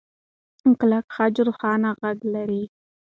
کلک خج روښانه غږ لري.